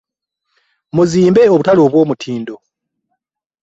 Muzimbe obutale obw'omutindo.